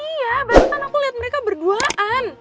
iya barusan aku lihat mereka berduaan